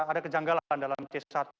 ada kejanggalan dalam c satu